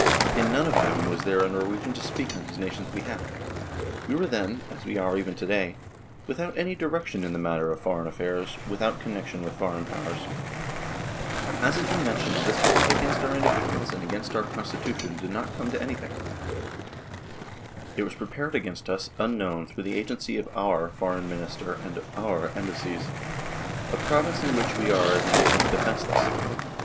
In none of them was there a Norwegian to speak on his nation's behalf. We were then as vve are even to day without any direction in the matter of foreign affairs, without connection with foreign powers. 38 NORWAY AND THE UNION WITH SWEDEN As has been mentioned, this plot against our inde pendence and against our constitution did not come to anything ; it was prepared against us unknown through the agency of " our " Foreign Minister and " our " Embassies, a province in which we are as a nation defenceless.